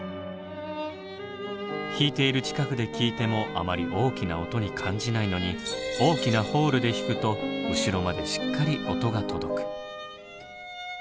弾いている近くで聞いてもあまり大きな音に感じないのに大きなホールで弾くと後ろまでしっかり音が届く。